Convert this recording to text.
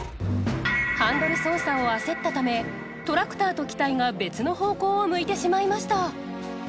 ハンドル操作を焦ったためトラクターと機体が別の方向を向いてしまいました。